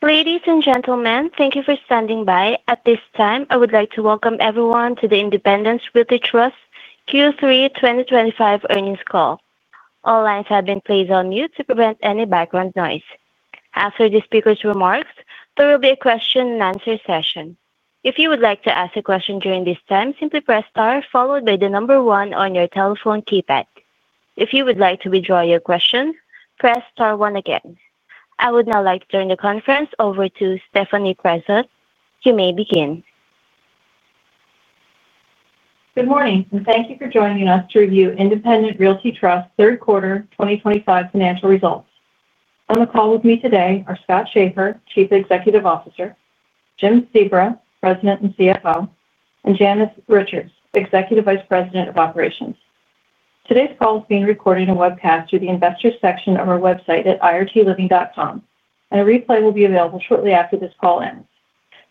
Ladies and gentlemen, thank you for standing by. At this time, I would like to welcome everyone to the Independence Realty Trust Q3 2025 earnings call. All lines have been placed on mute to prevent any background noise. After the speaker's remarks, there will be a question and answer session. If you would like to ask a question during this time, simply press star followed by the number one on your telephone keypad. If you would like to withdraw your question, press star one again. I would now like to turn the conference over to Stephanie Presut. You may begin. Good morning and thank you for joining us to review Independence Realty Trust third quarter 2025 financial results. On the call with me today are Scott Schaeffer, Chief Executive Officer, Jim Sebra, President and CFO, and Janice Richards, Executive Vice President of Operations. Today's call is being recorded and webcast through the Investors section of our website at irtliving.com, and a replay will be available shortly after this call ends.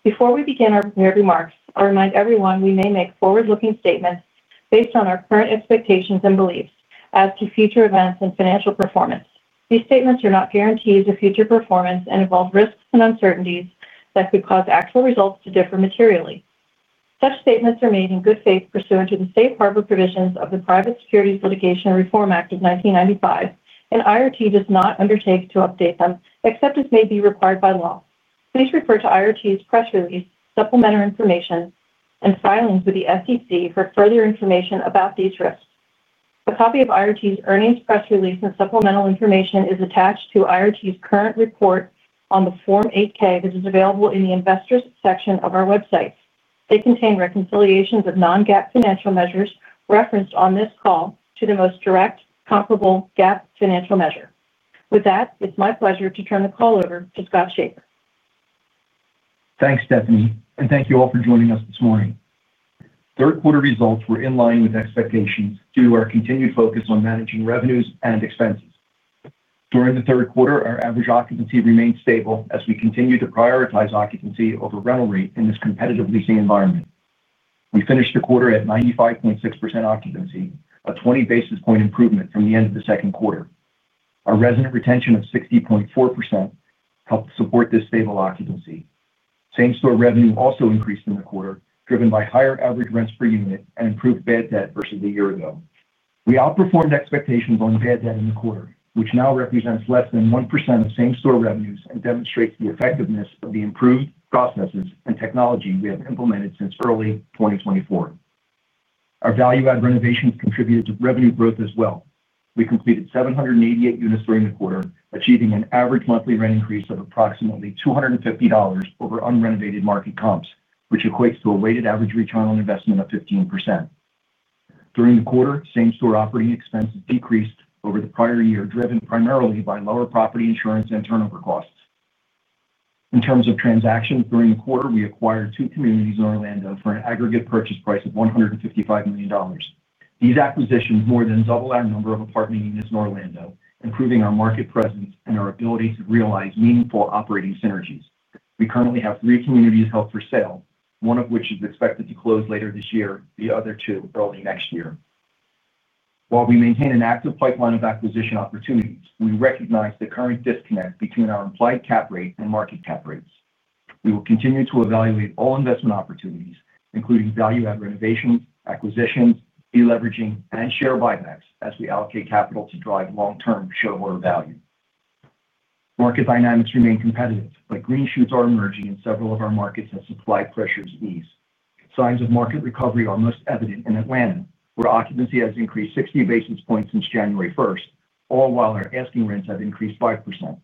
Before we begin our prepared remarks, I remind everyone we may make forward-looking statements based on our current expectations and beliefs as to future events and financial performance. These statements are not guarantees of future performance and involve risks and uncertainties that could cause actual results to differ materially. Such statements are made in good faith pursuant to the safe harbor provisions of the Private Securities Litigation Reform Act of 1995, and IRT does not undertake to update them except as may be required by law. Please refer to IRT's press release, supplementary information, and filings with the SEC for further information about these risks. A copy of IRT's earnings press release and supplemental information is attached to IRT's current report on Form 8-K that is available in the Investors section of our website. They contain reconciliations of non-GAAP financial measures referenced on this call to the most direct comparable GAAP financial measure. With that, it's my pleasure to turn the call over to Scott Schaeffer. Thanks, Stephanie, and thank you all for joining us this morning. Third quarter results were in line with expectations due to our continued focus on managing revenues and expenses. During the third quarter, our average occupancy remained stable as we continue to prioritize occupancy over rental rate in this competitive leasing environment. We finished the quarter at 95.6% occupancy, a 20 basis point improvement from the end of the second quarter. Our resident retention of 60.4% helped support this stable occupancy. Same-store revenue also increased in the quarter, driven by higher average rents per unit and improved bad debt versus a year ago. We outperformed expectations on bad debt in the quarter, which now represents less than 1% of same-store revenues and demonstrates the effectiveness of the improved processes and technology we have implemented since early 2024. Our value-add renovations contributed to revenue growth as well. We completed 788 units during the quarter, achieving an average monthly rent increase of approximately $250 over unrenovated market comps, which equates to a weighted average return on investment of 15% during the quarter. Same-store operating expenses decreased over the prior year, driven primarily by lower property insurance and turnover costs. In terms of transactions during the quarter, we acquired two communities in Orlando for an aggregate purchase price of $155 million. These acquisitions more than double our number of apartment units in Orlando, improving our market presence and our ability to realize meaningful operating synergies. We currently have three communities held for sale, one of which is expected to close later this year, the other two early next year. While we maintain an active pipeline of acquisition opportunities, we recognize the current disconnect between our implied cap rate and market cap rates. We will continue to evaluate all investment opportunities, including value-add renovations, acquisitions, deleveraging, and share buybacks as we allocate capital to drive long-term shareholder value. Market dynamics remain competitive, but green shoots are emerging in several of our markets as supply pressures ease. Signs of market recovery are most evident in Atlanta, where occupancy has increased 60 basis points since January 1, all while our asking rents have increased 5%.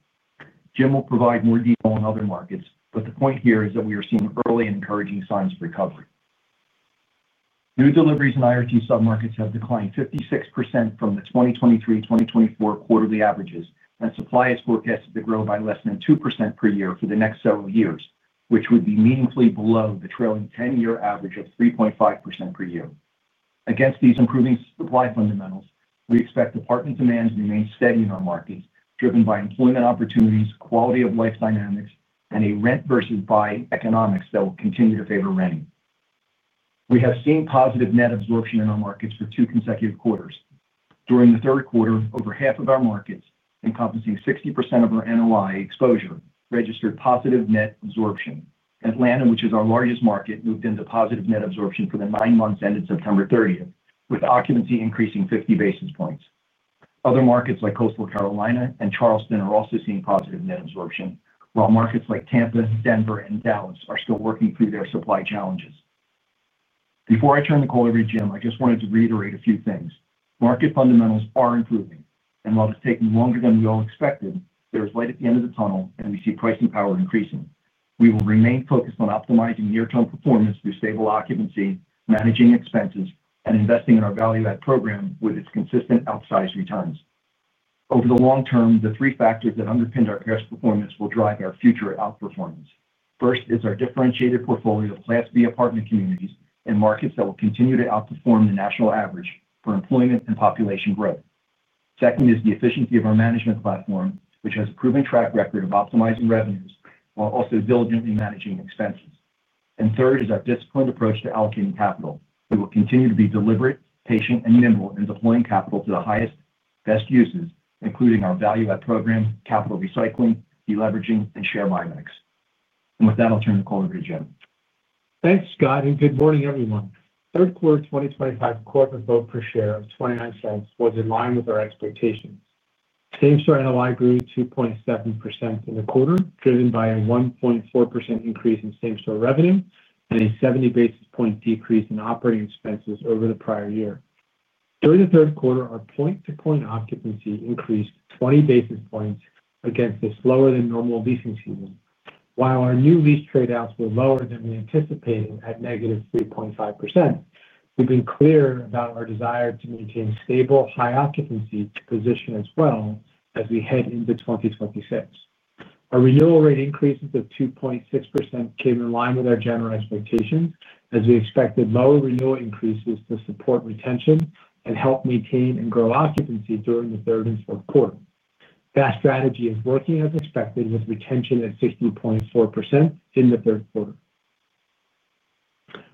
Jim will provide more detail in other markets, but the point here is that we are seeing early and encouraging signs of recovery. New deliveries in IRT submarkets have declined 56% from the 2023-2024 quarterly averages, and supply is forecasted to grow by less than 2% per year for the next several years, which would be meaningfully below the trailing 10-year average of 3.5% per year. Against these improving supply fundamentals, we expect apartment demand to remain steady in our markets, driven by employment opportunities, quality of life dynamics, and a rent vs buy economics that will continue to favor renting. We have seen positive net absorption in our markets for two consecutive quarters. During the third quarter, over half of our markets, encompassing 60% of our NOI exposure, registered positive net absorption. Atlanta, which is our largest market, moved into positive net absorption for the nine months ended September 30, with occupancy increasing 50 basis points. Other markets like Coastal Carolina and Charleston are also seeing positive net absorption, while markets like Tampa, Denver, and Dallas are still working through their supply challenges. Before I turn the call over to Jim, I just wanted to reiterate a few things. Market fundamentals are improving and while it's taking longer than we all expected there. is light at the end of the tunnel and we see pricing power increasing. We will remain focused on optimizing near-term performance through stable occupancy, managing expenses, and investing in our value-add program with its consistent outsized returns. Over the long term, the three factors that underpinned our past performance will drive our future outperformance. First is our Differentiated Portfolio of Class B apartment communities in markets that will continue to outperform the national average for employment and population growth. Second is the Efficiency of our Management Platform, which has a proven track record of optimizing revenues while also diligently managing expenses. Third is our Disciplined Approach to Allocating Capital. We will continue to be deliberate, patient, and nimble in deploying capital to the highest and best uses, including our value-add program, capital recycling, deleveraging, and share buybacks. With that, I'll turn the call over to Jim. Thanks Scott and good morning everyone. Third quarter 2025 corporate vote per share of $0.29 was in line with our expectations. Same-store NOI grew 2.7% in the quarter, driven by a 1.4% increase in same-store revenue and a 70 basis point decrease in operating expenses over the prior year. During the third quarter, our point-to-point occupancy increased 20 basis points against the slower than normal leasing season, while our new lease tradeouts were lower than we anticipated at -3.5%. We've been clear about our desire to maintain stable high occupancy to position as well as we head into 2026. Our renewal rate increases of 2.6% came in line with our general expectations as we expected lower renewal increases to support retention and help maintain and grow occupancy during the third and fourth quarter. That strategy is working as expected, with retention at 60.4% in the third quarter.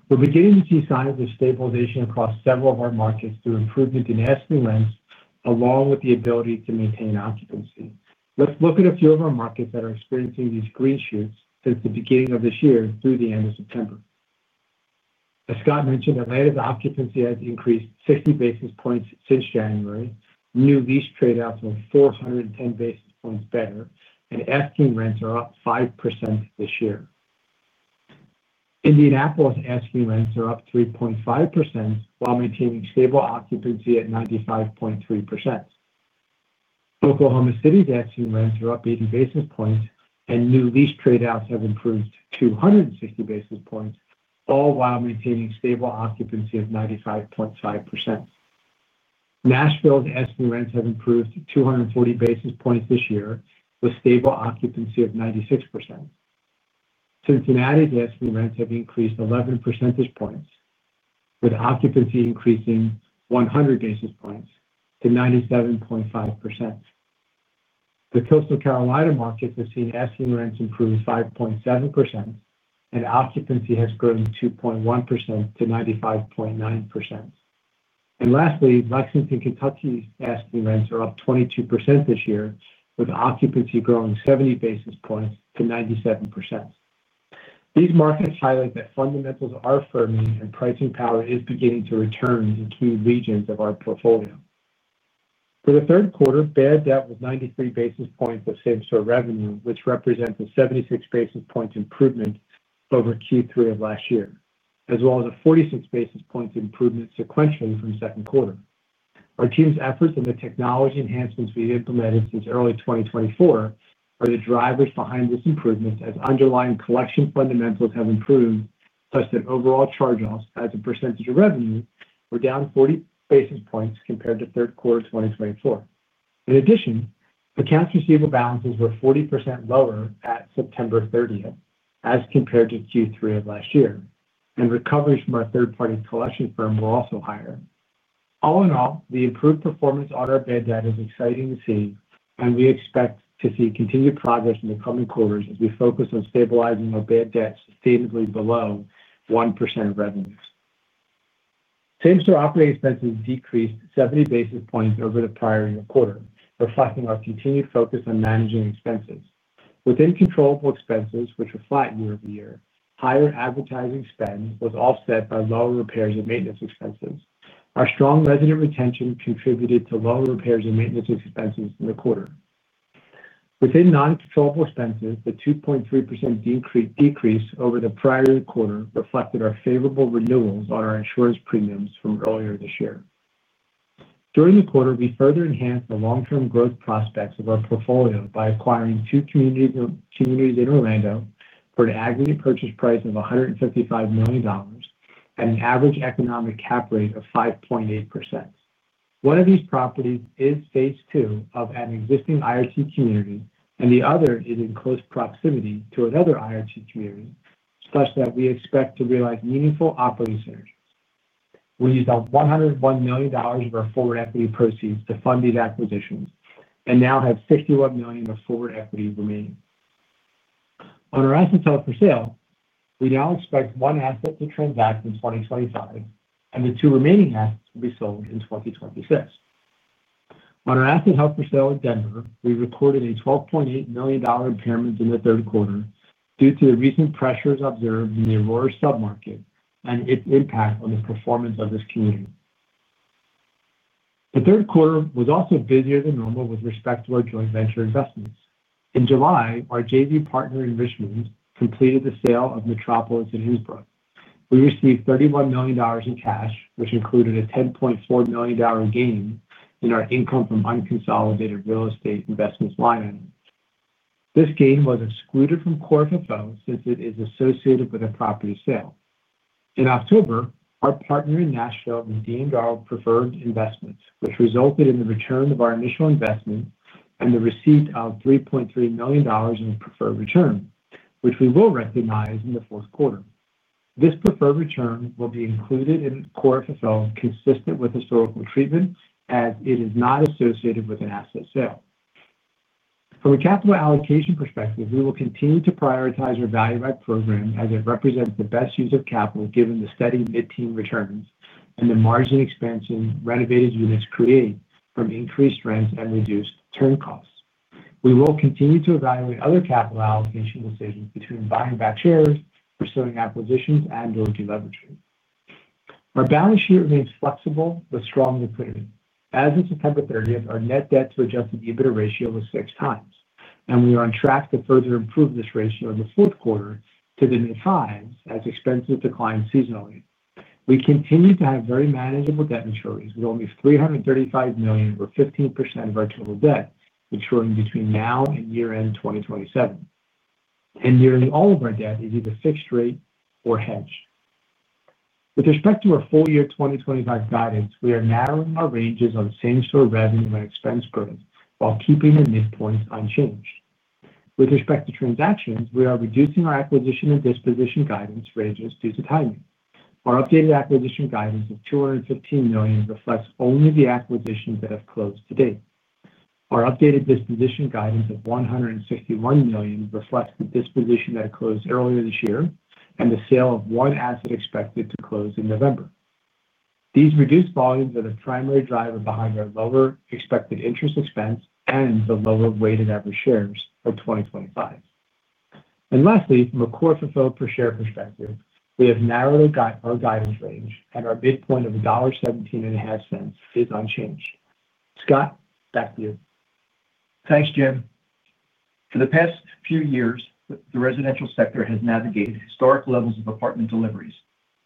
We're beginning to see signs of stabilization across several of our markets through improvement in asking rents along with the ability to maintain occupancy. Let's look at a few of our markets that are experiencing these green shoots since the beginning of this year through the end of September. As Scott mentioned, Atlanta's occupancy has increased 60 basis points since January. New lease tradeouts were 410 basis points better and asking rents are up 5% this year. Indianapolis asking rents are up 3.5% while maintaining stable occupancy at 95.3%. Oklahoma City asking rents are up 80 basis points and new lease tradeouts have improved 260 basis points, all while maintaining stable occupancy of 95.5%. Nashville's asking rents have improved 240 basis points this year with stable occupancy of 96%. Cincinnati's asking rents have increased 11 percentage points with occupancy increasing 100 basis points to 97.5%. The Coastal Carolina market has seen asking rents improve 5.7% and occupancy has grown 2.1%-95.9%. Lastly, Lexington, Kentucky asking rents are up 22% this year with occupancy growing 70 basis points to 97%. These markets highlight that fundamentals are firming and pricing power is beginning to return to key regions of our portfolio. For the third quarter, bad debt was 93 basis points of same-store revenue, which represents a 76 basis point improvement over Q3 of last year as well as a 46 basis point improvement sequentially from second quarter. Our team's efforts and the technology enhancements we've implemented since early 2024 are the drivers behind this improvement as underlying collection fundamentals have improved such that overall charge-offs as a percentage of revenue were down 40 basis points compared to third quarter 2024. In addition, accounts receivable balances were 40% lower at September 30th as compared to Q3 of last year and recoveries from our third-party collection firm were also higher. All in all, the improved performance on our bad debt is exciting to see and we expect to see continued progress in the coming quarters as we focus on stabilizing our bad debt sustainably below 1% of revenues. Same-store operating expenses decreased 70 basis points over the prior year quarter, reflecting our continued focus on managing expenses within controllable expenses, which were flat year-over-year. Higher advertising spend was offset by lower repairs and maintenance expenses. Our strong resident retention contributed to lower repairs and maintenance expenses in the quarter within non-controllable expenses. The 2.3% decrease over the prior quarter reflected our favorable renewals on our insurance premiums from earlier this year. During the quarter, we further enhanced the long-term growth prospects of our portfolio by acquiring two communities in Orlando for an aggregate purchase price of $155 million and an average economic cap rate of 5.8%. One of these properties is Phase two of an existing IRT community and the other is in close proximity to another IRT community, such that we expect to realize meaningful operating synergies. We used $101 million of our forward equity proceeds to fund these acquisitions and now have $61 million of forward equity remaining on our assets held for sale. We now expect one asset to transact in 2025 and the two remaining assets will be sold in 2026. On our asset held for sale at Denver, we recorded a $12.8 million impairment in the third quarter due to the recent pressures observed in the Aurora submarket and its impact on the performance of this community. The third quarter was also busier than normal with respect to our joint venture investments. In July, our JV partner Enrichment completed the sale of Metropolis in Innsbruck. We received $31 million in cash, which included a $10.4 million gain in our income from unconsolidated real estate investments line items. This gain was excluded from Core FFO since it is associated with a property sale. In October, our partner in Nashville redeemed our preferred investments, which resulted in the return of our initial investment and the receipt of $3.3 million in preferred return, which we will recognize in the fourth quarter. This preferred return will be included in Core FFO consistent with historical treatment as it is not associated with an asset sale. From a capital allocation perspective, we will continue to prioritize our value-add program as it represents the best use of capital given the steady mid-teen and the margin expansion renovated units create from increased rents and reduced turn costs. We will continue to evaluate other capital allocation decisions between buying back shares, pursuing acquisitions, and deleveraging. Our balance sheet remains flexible with strong liquidity. As of September 30, our net debt to adjusted EBITDA ratio was 6x and we are on track to further improve this ratio in the fourth quarter to the mid-fives as expenses decline seasonally. We continue to have very manageable debt maturities with only $335 million or 15% of our total debt maturing between now and year end 2027, and nearly all of our debt is either fixed rate or hedged. With respect to our full year 2025 guidance, we are narrowing our ranges on same-store revenue and expense burden while keeping the midpoints unchanged. With respect to transactions, we are reducing our acquisition and disposition guidance ranges due to timing. Our updated acquisition guidance of $215 million reflects only the acquisitions that have closed to date. Our updated disposition guidance of $161 million reflects the disposition that closed earlier this year and the sale of one asset expected to close in November. These reduced volumes are the primary driver behind our lower expected interest expense and the lower weighted average shares for 2025, and lastly, from a core FFO per share perspective, we have narrowed our guidance range and our midpoint of $1.175 is unchanged. Scott, back to you. Thanks, Jim. For the past few years, the residential sector has navigated historic levels of apartment deliveries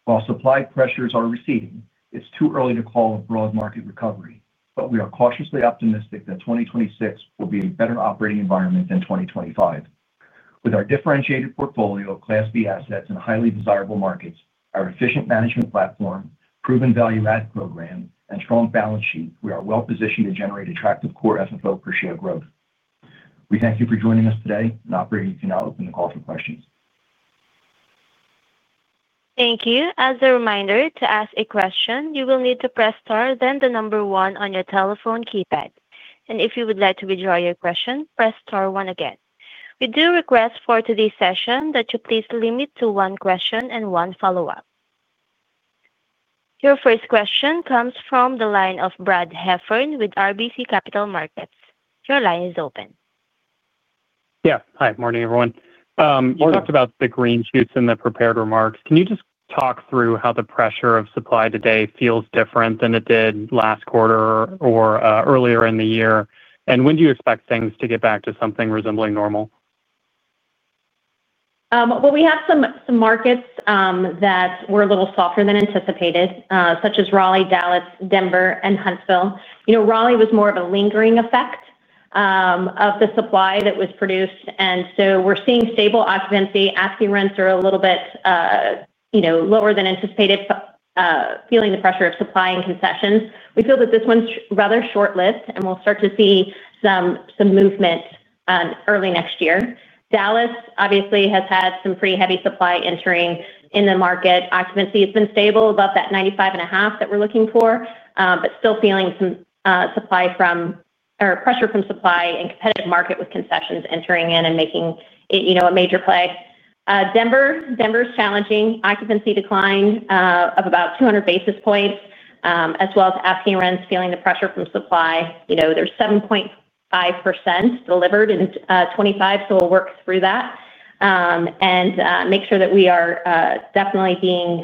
while supply pressures are receding. It's too early to call a broad market recovery, but we are cautiously optimistic that 2026 will be a better operating environment than 2025. With our differentiated portfolio of Class B assets and highly desirable markets, our efficient management platform, proven value-add program, and strong balance sheet, we are well positioned to generate attractive core FFO per share growth. We thank you for joining us today and can now open the call for questions. Thank you. As a reminder to ask a question, you will need to press star then the number one on your telephone keypad. If you would like to withdraw your question, press star one. We do request for today's session that you please limit to one question and one follow up. Your first question comes from the line of Brad Heffern with RBC Capital Markets. Your line is open. Yeah, hi morning everyone. You talked about the green shoots in the prepared remarks. Can you just talk through how the pressure of supply today feels different than it did last quarter or earlier in the year, and when do you expect things to get back to something resembling normal? We have some markets that were a little softer than anticipated, such as Raleigh, Dallas, Denver, and Huntsville. Raleigh was more of a lingering effect of the supply that was produced, so we're seeing stable occupancy. Asking rents are a little bit lower than anticipated, feeling the pressure of supply and concessions. We feel that this one's rather short lived and we'll start to see some movement early next year. Dallas obviously has had some pretty heavy supply entering in the market. Occupancy has been stable, about that 95.5% that we're looking for, but still feeling some pressure from supply and a competitive market with concessions entering in and making it a major play. Denver's challenging, occupancy decline of about 200 basis points as well as feeling the pressure from supply, there's 7.45% delivered in 2025. We'll work through that and make sure that we are definitely being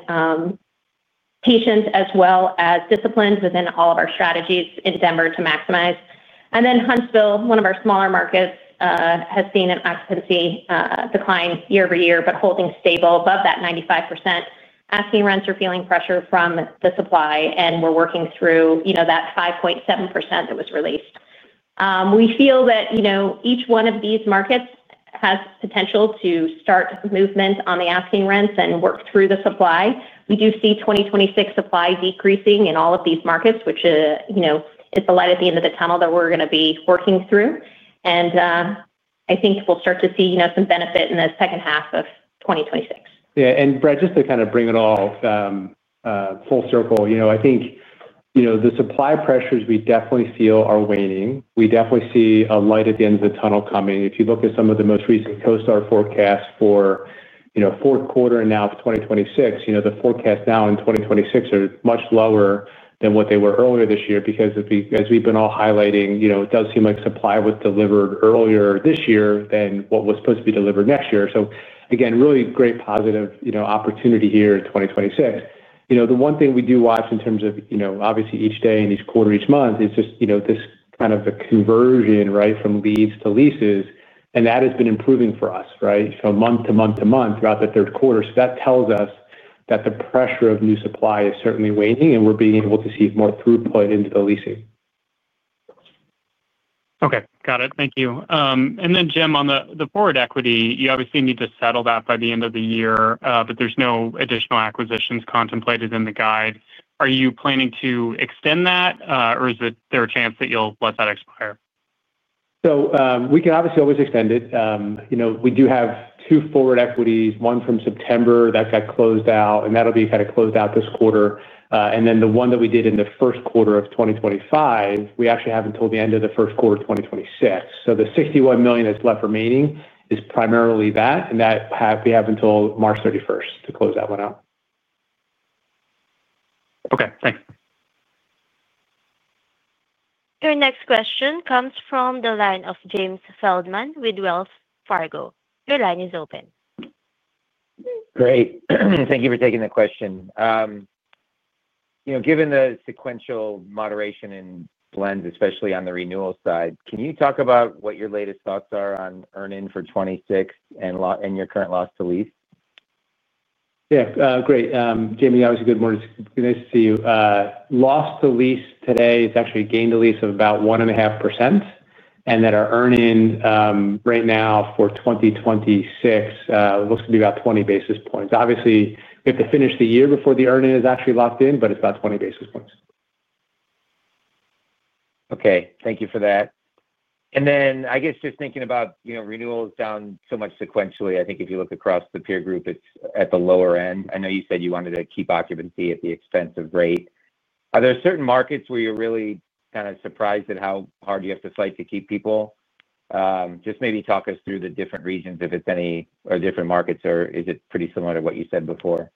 patient as well as disciplined within all of our strategies in Denver to maximize. Huntsville, one of our smaller markets, has seen an occupancy decline year-over-year, but holding stable above that 95%. Asking rents are feeling pressure from the supply and we're working through that 5.7% that was released. We feel that each one of these markets has potential to start movement on the asking rents and work through the supply. We do see 2026 supply decreasing in all of these markets, which is the light at the end of the tunnel that we're going to be working through. I think we'll start to see some benefit in the second half of 2026. Yeah. Brad, just to kind of bring it all full circle, I think the supply pressures we definitely feel are waning. We definitely see a light at the end of the tunnel coming. If you look at some of the most recent CoStar forecasts for fourth quarter and now 2026, the forecast now in 2026 are much lower than what they were earlier this year, because as we've been all highlighting, it does seem like supply was delivered earlier this year than what was supposed to be delivered next year. Again, really great positive opportunity here in 2026. The one thing we do watch in terms of, obviously each day and each quarter, each month. Is just, you know, this kind of. A conversion, right, from leads to leases. That has been improving for us, right, from month to month to month throughout the third quarter. That tells us that the pressure of new supply is certainly waning, and we're being able to see more throughput into the leasing. Okay, got it. Thank you. Jim, on the forward equity, you obviously need to settle that by the end of the year, but there's no additional acquisitions contemplated in the guide. Are you planning to extend that, or is there a chance that you'll let that expire? We can obviously always extend it. We do have two forward equities, one from September that got closed out, and that'll be kind of closed out this quarter, and then the one that we did in the first quarter of 2025, we actually have until the end of the first quarter, 2026. The $61 million that's left remaining is primarily that and we have until March 31 to close that one out. Okay, thanks. Your next question comes from the line of Jamie Feldman with Wells Fargo . Your line is open. Great. Thank you for taking the question. Given the sequential moderation in blends, especially on the renewal side, can you talk about what your latest thoughts are on earning for 2026 and your current loss to lease? Yeah. Great. Jamie, obviously, good morning. Nice to see you. Loss to lease today, it's actually gain to lease of about 1.5%. Our earning right now for 2026 looks to be about 20 basis points. We have to finish the year before the earning is actually locked in, but it's about 20 basis points. Okay, thank you for that. I guess just thinking about renewals down so much sequentially, I think if you look across the peer group. It's at the lower end. I know you said you wanted to keep occupancy at the expense of rate. Are there certain markets where you're really kind of surprised at how hard you. Have to fight to keep people, just. Maybe talk us through the different regions. Is it any or different markets, or is it pretty similar to what you said before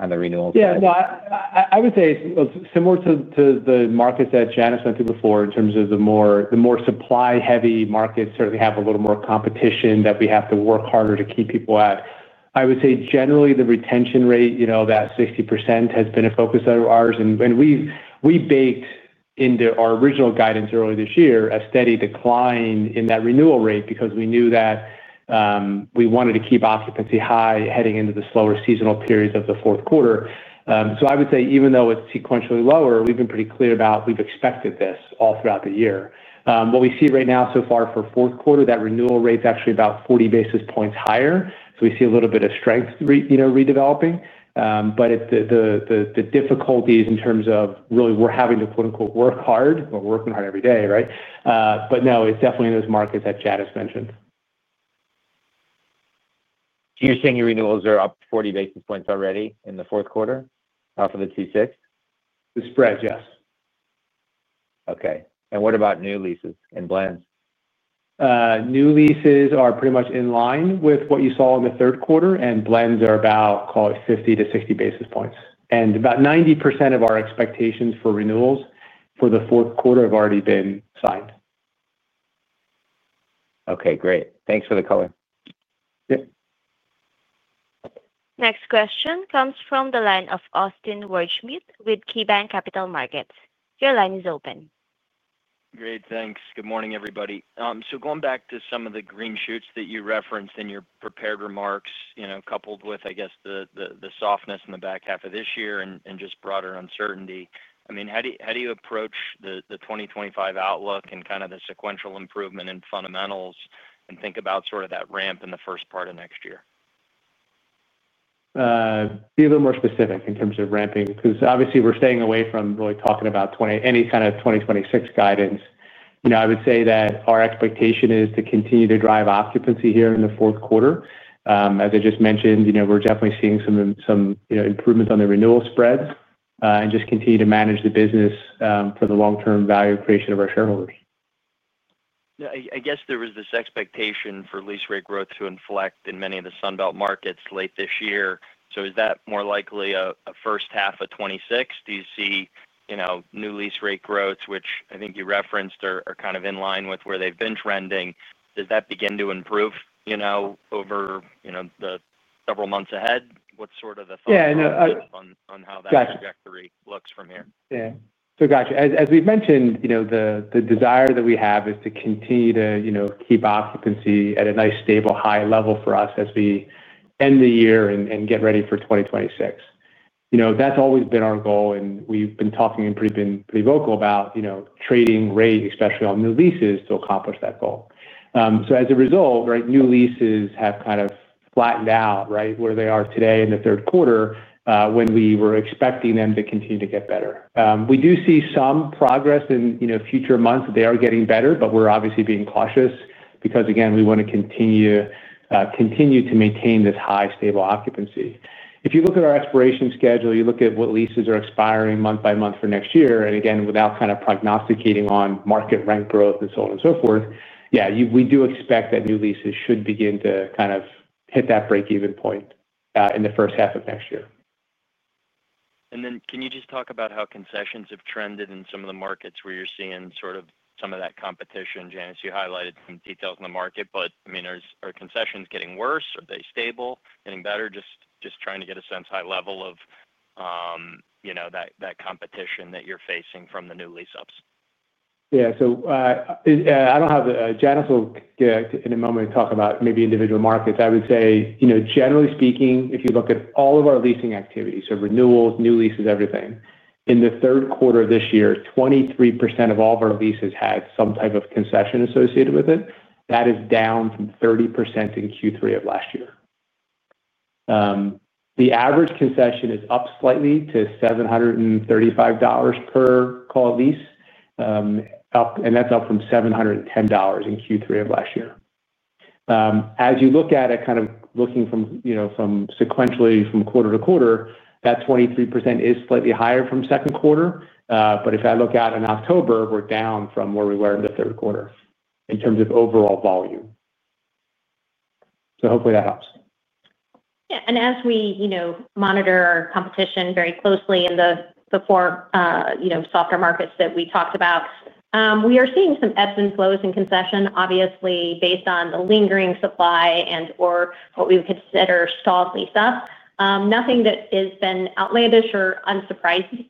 on the renewals? Yeah, I would say similar to the markets that Janice went to before in terms of the more supply heavy markets, certainly a little more competition that we have to work harder to keep people at. I would say generally the retention rate, you know, that 60% has been a focus of ours and we baked into our original guidance earlier this year a steady decline in that renewal rate because we knew that we wanted to keep occupancy high heading into the slower seasonal periods of the fourth quarter. I would say even though it's sequentially lower, we've been pretty clear about, we've expected this all throughout the year. What we see right now so far for fourth quarter, that renewal rate is actually about 40 basis points higher. We see a little bit of strength redeveloping. The difficulties in terms of really we're having to, quote, unquote, work hard or working hard every day. Right. No, it's definitely in those markets that Janice has mentioned. You're saying your renewals are up 40 bps already in the fourth quarter? The T6? The spread. Yes. Okay. What about new leases and blends? New leases are pretty much in line with what you saw in the third quarter. Blends are about, call it, 50-60 basis points. About 90% of our expectations for renewals for the fourth quarter have already been signed. Okay, great. Thanks for the color. Next question comes from the line of Austin Wurschmidt with KeyBanc Capital Markets. Your line is open. Great, thanks. Good morning, everybody. Going back to some of the green shoots that you referenced in your prepared remarks, coupled with, I guess, the softness in the back half of this year and just broader uncertainty, how do you approach the 2025 outlook and kind of the sequential improvement in fundamentals and think about sort of that ramp in the first part of next year. Be a little more specific in terms of ramping because obviously we're staying away from really talking about any kind of 2026 guidance. I would say that our expectation is to continue to drive occupancy here in the fourth quarter. As I just mentioned, we're definitely seeing some improvements on the renewal spreads and just continue to manage the business for the long term value creation of our shareholders. I guess there was this expectation for lease rate growth to inflect in many of the Sunbelt markets late this year. Is that more likely a first half of 2026? Do you see new lease rate growths, which I think you referenced, are kind of in line with where they've been trending? Does that begin to improve over the several months ahead? What's sort of the thought on how that trajectory looks from here? Yeah, gotcha. As we've mentioned, the desire that we have is to continue to keep occupancy at a nice, stable, high level for us as we end the year and get ready for 2026. That's always been our goal and we've been pretty vocal about trading rate, especially on new leases to accomplish that goal. As a result, new leases have kind of flattened out right where they are today in the third quarter when we were expecting them to continue to get better. We do see some progress in future months. They are getting better, but we're obviously being cautious because again, we want to continue to maintain this high stable occupancy. If you look at our expiration schedule, you look at what leases are expiring month by month for next year. Again, without prognosticating on market rent growth and so on and so forth, we do expect that new leases should begin to kind of hit that break even point in the first half of next year. Can you just talk about how concessions have trended in some of the markets where you're seeing sort of some of that competition? Janice, you highlighted some details in the market. Are concessions getting worse, are they stable, getting better? Just trying to get a sense high level of that competition that you're facing from the new lease ups. Yeah, I don't have Janice. In a moment, talk about maybe individual markets. I would say, generally speaking, if you look at all of our leasing activities, renewals, new leases, everything, in the third quarter this year, 23% of all of our leases had some type of concession associated with it. That is down from 30% in Q3 of last year. The average concession is up slightly to $735/lease, and that's up from $710 in Q3 of last year. As you look at it, kind of looking sequentially from quarter-to-quarter, that 23% is slightly higher from second quarter. If I look out in October, we're down from where we were in. The third quarter in terms of overall volume. Hopefully that helps. Yeah. As we monitor competition very closely in the softer markets that we talked about, we are seeing some ebbs and flows in concession, obviously based on the lingering supply and what we would consider stalled lease up. Nothing that has been outlandish or unsurprising.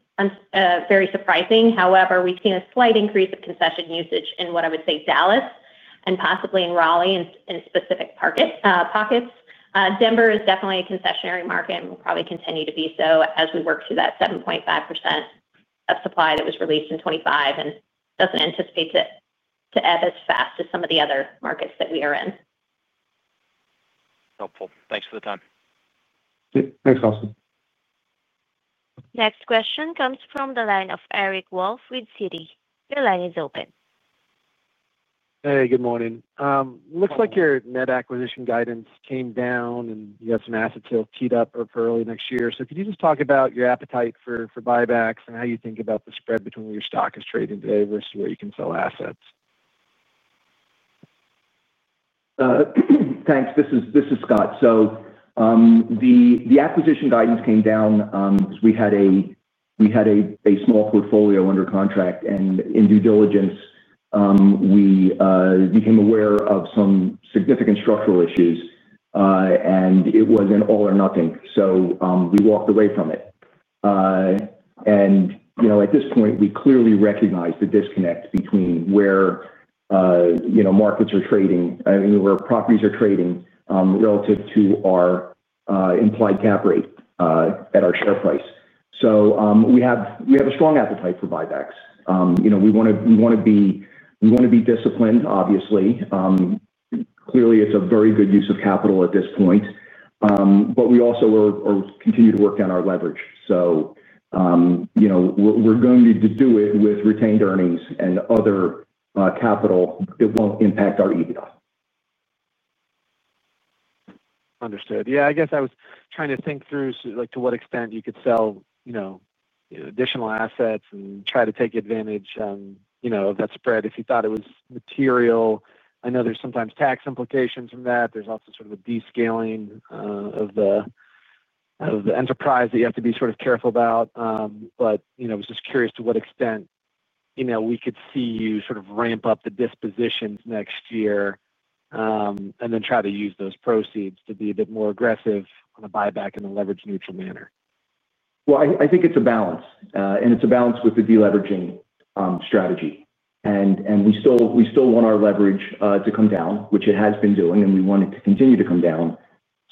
Very surprising. However, we've seen a slight increase of concession usage in what I would say Dallas and possibly in Raleigh and in specific pockets. Denver is definitely a concessionary market and will probably continue to be so as we work through that 7.5% of supply that was released in 2025 and doesn't anticipate to ebb as fast as some of the other markets that we are in. Helpful. Thanks for the time. Thanks, Austin. Next question comes from the line of Eric Wolfe with Citi. Your line is open. Hey, good morning. Looks like your net acquisition guidance came down, and you have some assets teed up early next year. Could you just talk about your appetite for buybacks and how you think about the spread between where your stock is trading today vs where you can sell assets? Thanks. This is Scott. The acquisition guidance came down. We had a small portfolio under contract, and in due diligence we became aware of some significant structural issues, and it was an all or nothing. We walked away from it. At this point, we clearly recognize the disconnect between where markets are trading, where properties are trading relative to our implied cap rate at our share price. We have a strong appetite for buybacks. We want to be disciplined, obviously. Clearly, it's a very good use of capital at this point. We also continue to work on our leverage. We're going to do it with retained earnings and other capital. It won't impact our EBITDA. Understood. I guess I was trying to think through, like, to what extent you could sell, you know, additional assets and try to take advantage, you know, that spread if you thought it was material. I know there's sometimes tax implications from that. There's also sort of a descaling of the enterprise that you have to be sort of careful about, but was just curious to what extent we could see you sort of ramp up the dispositions next year and then try to use those proceeds to be a bit more aggressive on a buyback in a leverage neutral manner. I think it's a balance and it's a balance with the deleveraging strategy. We still want our leverage to come down, which it has been doing, and we want it to continue to come down.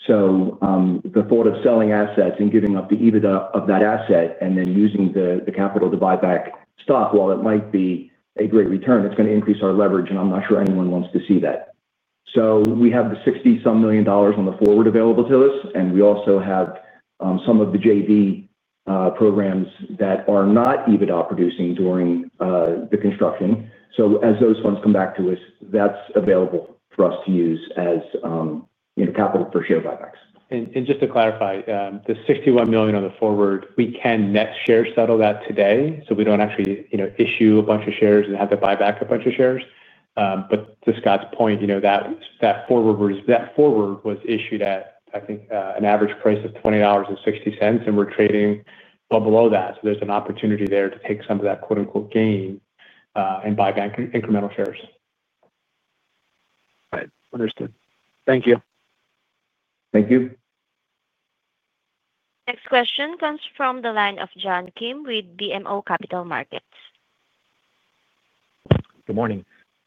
The thought of selling assets and giving up the EBITDA of that asset and then using the capital to buy back stock, while it might be a great return, is going to increase our leverage and I'm not sure anyone wants to see that. We have the $60 million on the forward available to us and we also have some of the JV programs that are not EBITDA producing during the construction. As those funds come back to us, that's available for us to use as capital for share buybacks. To clarify, the $61 million on the forward, we can net share settle that today. We don't actually issue a bunch of shares and have to buy back. A bunch of shares. To Scott's point, that forward was issued at, I think, an average price of $20.60, and we're trading well below that. There's an opportunity there to take some of that "gain" and buy back incremental shares. Understood, thank you. Thank you. Next question comes from the line of John Kim with BMO Capital Markets. Good morning.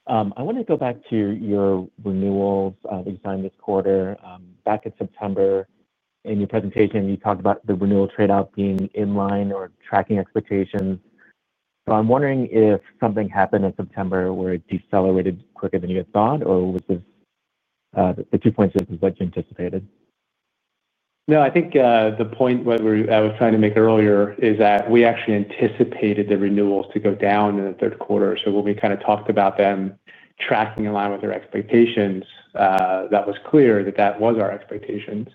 I want to go back to your renewals that you signed this quarter back in September. In your presentation, you talked about the renewal trade-off being in line or tracking expectations. I'm wondering if something happened in September where it decelerated quicker than you had thought, or was this the 2.6% is what you anticipated? I think the point I was trying to make earlier is that we actually anticipated the renewals to go down in the third quarter. When we kind of talked about them tracking in line with their expectations, that was clear that that was our expectations.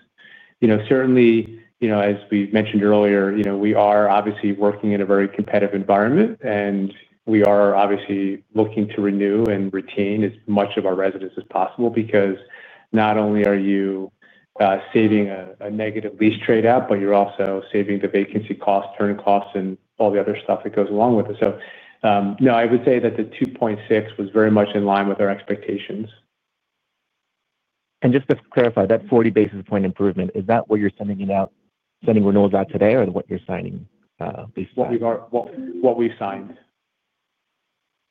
Certainly, as we mentioned earlier, we are obviously working in a very competitive environment and we are obviously looking to renew and retain as much of our residents as possible because not only are you saving a negative lease trade out, but you're also saving the vacancy costs, turnover costs, and all the other stuff that goes along with it. I would say that the 2.6% was very much in line with our expectations. Just to clarify that 40 basis point improvement, is that what you're sending out? Sending renewals out today or what you're signing? Based on what we signed.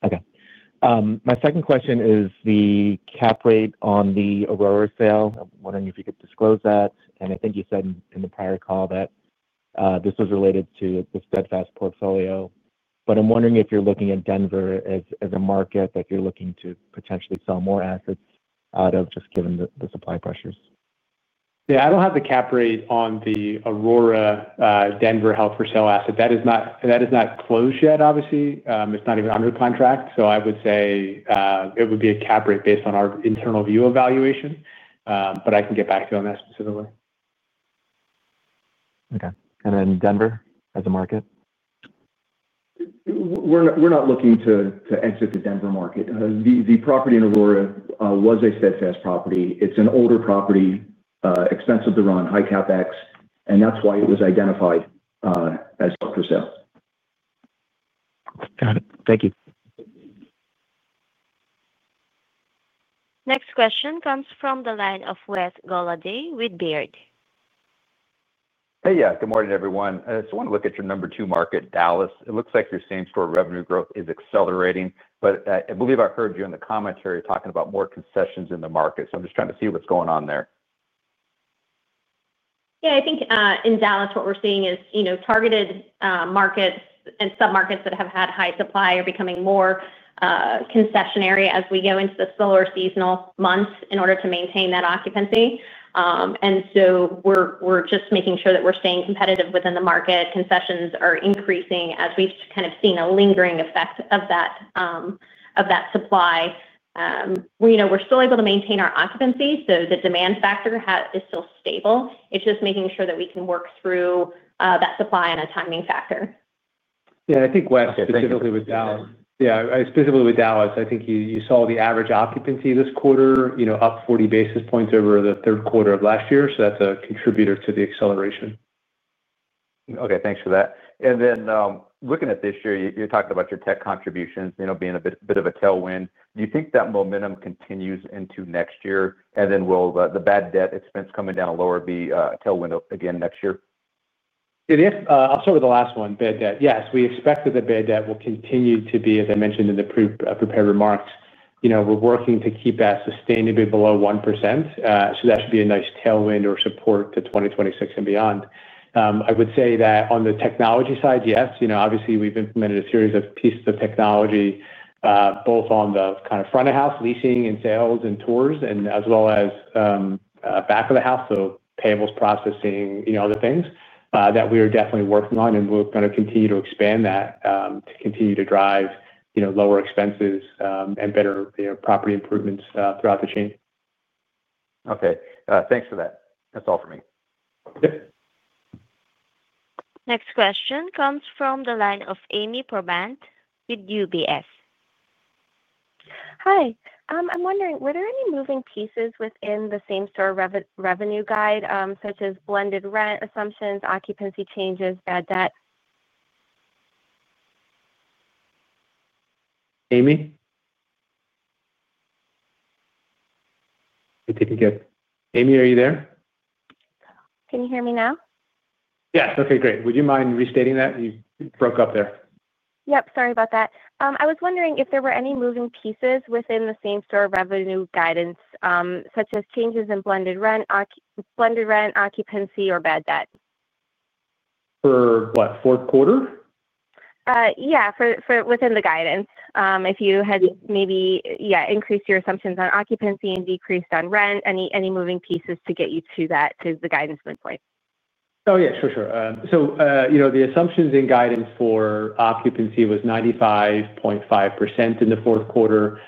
Okay, my second question is the cap rate on the Aurora sale. I'm wondering if you could disclose that. I think you said in the prior call that this was related to the Steadfast portfolio. I'm wondering if you're looking at Denver as a market that you're looking to potentially sell more assets of just given the supply pressures. Yeah, I don't have the cap rate on the Aurora Denver Health for sale asset that is not closed yet. Obviously, it's not even under contract. I would say it would be a cap rate based on our internal view evaluation, but I can get back to you on that specifically. Okay. Denver as a market? We're not looking to exit the Denver market. The property in Aurora was a steadfast property. It's an older property, expensive to run, high CapEx. That's why it was identified as for sale. Got it. Thank you. Next question comes from the line of Wes Golladay with Baird. Hey. Good morning everyone. I want to look at your number two market, Dallas. It looks like your same-store revenue growth is accelerating, but I believe I heard you in the commentary talking about more concessions in the market. I'm just trying to see what's going on there? Yeah, I think in Dallas what we're seeing is targeted markets and submarkets that have had high supply are becoming more concessionary as we go into the slower seasonal months in order to maintain that occupancy. We're just making sure that we're staying competitive within the market. Concessions are increasing as we've kind of seen a lingering effect of that supply. We're still able to maintain our occupancy, so the demand factor is still stable. It's just making sure that we can work through that supply and a timing factor. I think west specifically was down specifically with Dallas, I think you saw the average occupancy this quarter up 40 basis points over the third quarter of last year. That's a contributor to the acceleration. Okay, thanks for that. Looking at this year, you're talking about your tech contributions being a bit of a tailwind. Do you think that momentum continues into next year? Will the bad debt expense coming down lower be a tailwind again next year? I'll start with the last one, bad debt. Yes, we expect that the bad debt will continue to be, as I mentioned in the prepared remarks, we're working to keep that sustainably below 1%. That should be a nice tailwind or support to 2026 and beyond. I would say that on the technology side, yes, obviously we've implemented a series of pieces of technology both on the kind of front of house leasing and sales and tours as well as back of the house. Payables, processing, other things that we are definitely working on. We're going to continue to expand that to continue to drive lower expenses and better property improvements throughout the chain. Okay, thanks for that. That's all for me. OK. Next question comes from the line of Ami Probandt with UBS. Hi, I'm wondering were there any moving pieces within the same-store revenue guide such as blended rent assumptions, occupancy changes, bad debt. Ami? Ami, are you there? Can you hear me now? Yes. Okay, great. Would you mind restating that? You broke up there. Yep, sorry about that. I was wondering if there were any moving pieces within the same-store revenue. Guidance such as changes in blended rent, occupancy or bad debt? For what fourth quarter? Yeah, within the guidance, if you had maybe. Yeah. Increased your assumptions on occupancy and decreased on rent, any moving pieces to get you to the guidance midpoint. Sure. The assumptions in guidance for occupancy was 95.5% in the fourth quarter.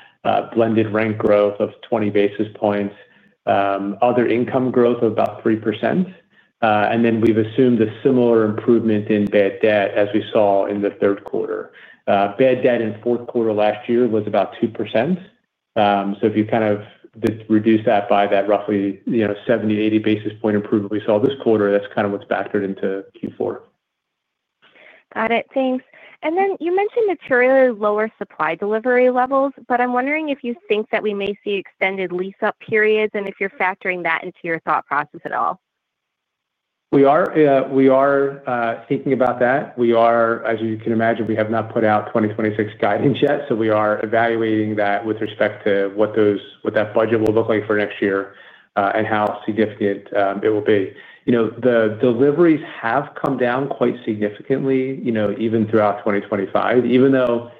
Blended rent growth of 20 basis points, other income growth of about 3%. We've assumed a similar improvement in bad debt as we saw in the third quarter. Bad debt in fourth quarter last year was about 2%. If you kind of reduce that by that roughly 70, 80 basis point improvement we saw this quarter, that's kind of what's factored into Q4. Got it, thanks. You mentioned materially lower supply delivery levels. I'm wondering if you think that we may see extended lease up periods, and if you're factoring that into your thought process at all. We are thinking about that. As you can imagine, we have not put out 2026 guidance yet. We are evaluating that with respect to what that budget will look like for next year and how significant it will be. The deliveries have come down quite significantly, even throughout 2025. Even though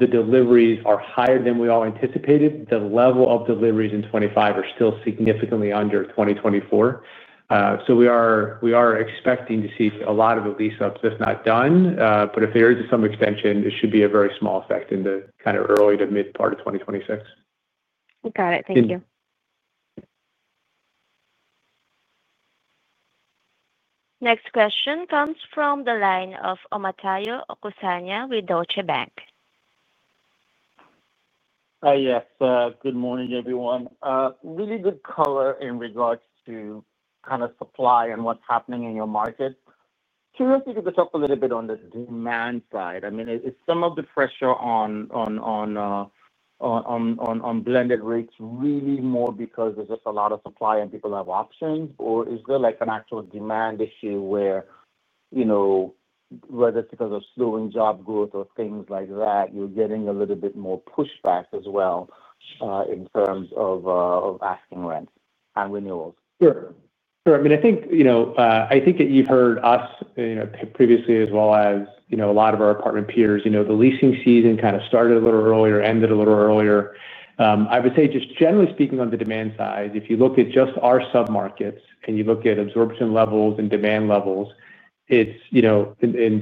the deliveries are higher than we all anticipated, the level of deliveries in 2025 is still significantly under 2024. We are expecting to see a lot of the lease ups, if not done. If there is some extension, it should be a very small effect in the early to mid part of 2026. Got it, thank you. Next question comes from the line of Omotayo Okusanya with Deutsche Bank. Yes. Good morning everyone. Really good color in regards to kind of supply and what's happening in your market. Curious if you could talk a little bit on the demand side. I mean is some of the pressure on blended rates really more because there's just a lot of supply and people have options, or is there like an actual demand issue where, you know, whether it's because of slowing job growth or things like that, you're getting a little bit more pushback as well in terms of asking rent and renewals? Sure. I think you've heard us previously as well as a lot of our apartment peers, the leasing season kind of started a little earlier, ended a little earlier. I would say just generally speaking on the demand side, if you look at just our submarkets and you look at absorption levels and demand levels, in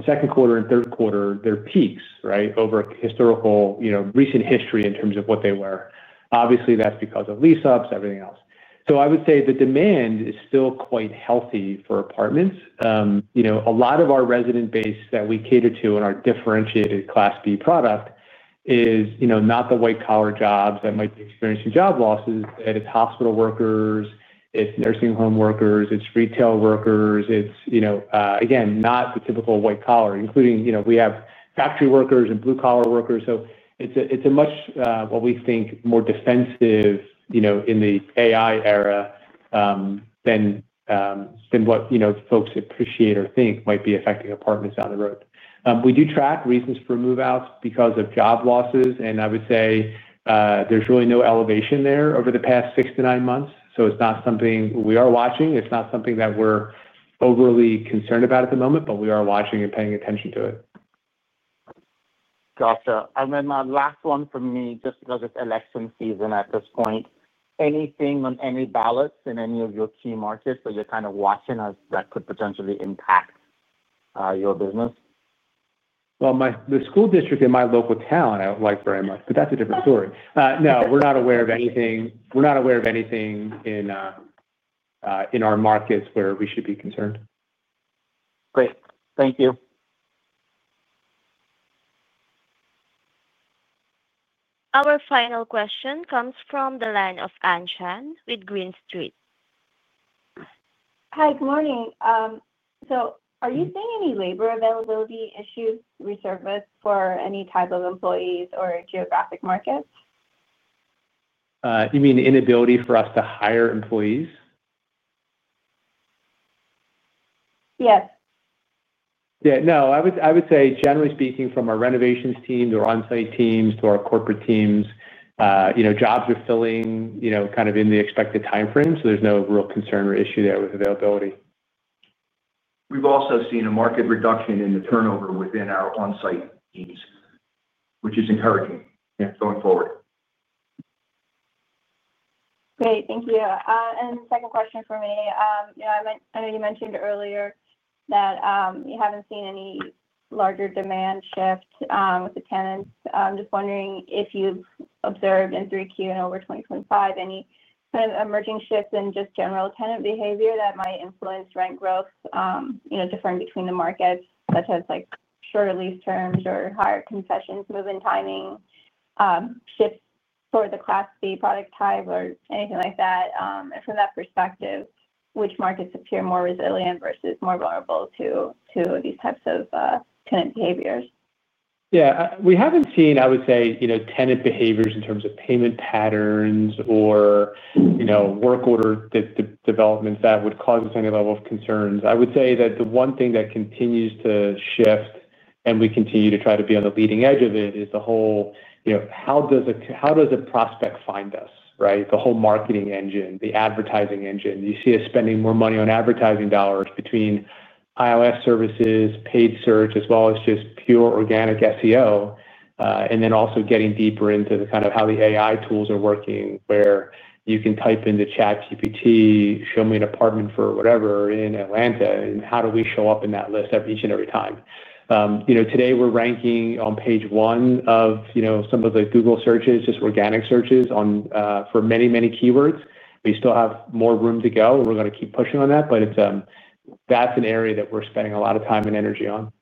second quarter and third quarter, they're peaks right over historical recent history in terms of what they were. Obviously, that's because of lease ups, everything else. I would say the demand is still quite healthy for apartments. A lot of our resident base that we cater to in our differentiated Class B product is not the white collar jobs that might be experiencing job losses. It's hospital workers, it's nursing home workers, it's retail workers, not the typical white collar including factory workers and blue collar workers. It's a much, what we think, more defensive, in the AI era than what folks appreciate or think might be affecting apartments down the road. We do track reasons for move outs because of job losses, and I would say there's really no elevation there over the past six to nine months. It's not something we are watching. It's not something that we're overly concerned about at the moment, but we are watching and paying attention to it. Gotcha. My last one for me, just because it's election season at this point, anything on any ballots in any of your key markets you're kind of watching that could potentially impact your business? The school district in my local town I don't like very much. That is a different story. No, we're not aware of anything in our markets where we should be concerned. Great, thank you. Our final comes from the line of Ann Chan with Green Street. Hi, good morning. Are you seeing any labor availability issues resurfaced for any type of employees or geographic markets? You mean inability for us to hire employees? Yes. Yeah. No, I would say generally speaking, from our renovations team to our onsite teams to our corporate teams, jobs are filling in the expected timeframe. There's no real concern or issue there with availability. We've also seen a marked reduction in the turnover within our on-site, which is encouraging going forward. Great, thank you. Second question for me. I know you mentioned earlier that you haven't seen any larger demand shift with the tenants. I'm just wondering if you've observed in 3Q and over 2025 any kind of emerging shifts in just general tenant behavior that might influence rent growth, differing between the markets, such as shorter lease terms or higher concessions, move-in timing shifts toward the Class B product type or anything like that. From that perspective, which markets appear more resilient versus more vulnerable to these types of tenant behaviors? Yeah, we haven't seen tenant behaviors in terms of payment patterns or work order developments that would cause us any level of concerns. I would say that the one thing that continues to shift, and we continue to try to be on the leading edge of it, is the whole, you know, how does a prospect find us? Right. The whole marketing engine, the advertising engine. You see us spending more money on advertising dollars between iOS services, paid search, as well as just pure organic SEO. Also, getting deeper into how the AI tools are working, where you can type in the ChatGPT, show me an apartment for whatever in Atlanta, and how do we show up in that list each and every time? Today we're ranking on page one of some of the Google searches, just organic searches for many, many keywords. We still have more room to go. We're going to keep pushing on that, but that's an area that we're spending a lot of time and energy on.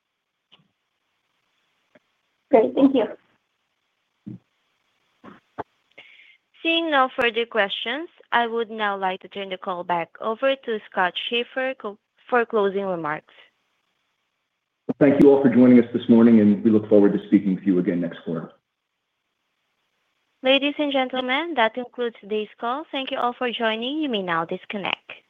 Great, thank you. Seeing no further questions, I would now like to turn the call back over to Scott Schaeffer for closing remarks. Thank you all for joining us this morning, and we look forward to speaking with you again next quarter. Ladies and gentlemen, that concludes this call. Thank you all for joining. You may now disconnect.